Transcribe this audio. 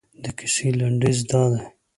د کیسې لنډیز دادی.